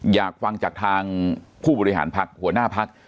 อยากฟังจากทางผู้บริหารพักหัวหน้าพัก